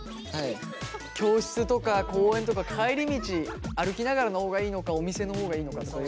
教室とか公園とか帰り道歩きながらの方がいいのかお店の方がいいのかそういうこと？